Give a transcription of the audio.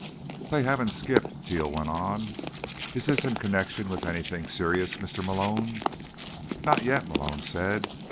"They haven't skipped," Teal went on. "Is this in connection with anything serious, Mr. Malone?" "Not yet," Malone said.